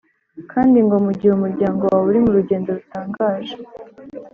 kandi ngo mu gihe umuryango wawe uri mu rugendo rutangaje,